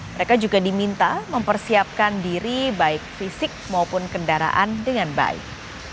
mereka juga diminta mempersiapkan diri baik fisik maupun kendaraan dengan baik